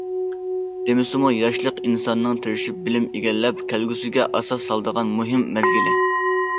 دېمىسىمۇ ياشلىق ئىنساننىڭ تىرىشىپ بىلىم ئىگىلەپ كەلگۈسىگە ئاساس سالىدىغان مۇھىم مەزگىلى.